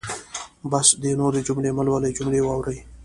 بس دی نورې جملې مهلولئ جملې واورئ.